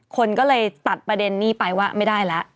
คนก็เลยตัดประเด็นนี้ไปว่าไม่ได้แล้ว